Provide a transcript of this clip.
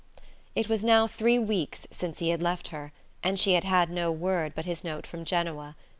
It was now three weeks since he had left her, and she had had no word but his note from Genoa.